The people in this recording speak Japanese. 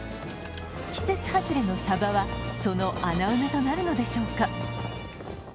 季節外れのサバはその穴埋めとなるのでしょうか？